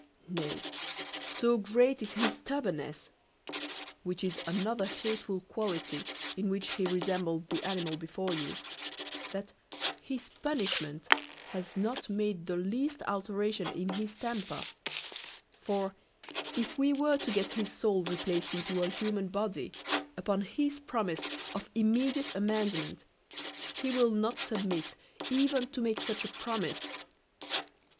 Nay, so great is his stubbornness (which is another hateful quality in which he resembled the animal before you) that his punishment has not made the least alteration in his temper; for, if we were to get his soul replaced into a human body, upon his promise of immediate amendment, he will not submit even to make such a promise.